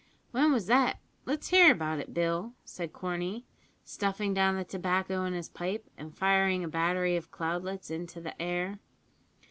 "When was that? Let's hear about it, Bill," said Corney, stuffing down the tobacco in his pipe, and firing a battery of cloudlets into the air.